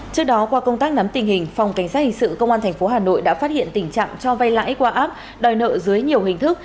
trước đó qua công tác nắm tình hình phòng cảnh sát hình sự công an tp hà nội đã phát hiện tình trạng cho vay lãi qua app đòi nợ dưới nhiều hình thức